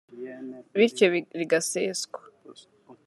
bityo rigaseswa